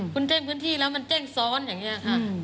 คุณแจ้งพื้นที่แล้วมันเจ้งซ้อนอย่างนี้ค่ะ